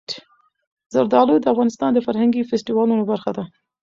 زردالو د افغانستان د فرهنګي فستیوالونو برخه ده.